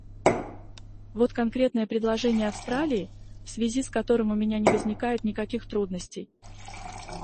Вот конкретное предложение Австралии, в связи с которым у меня не возникает никаких трудностей.